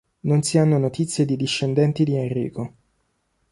Non si hanno notizie di discendenti di Enrico.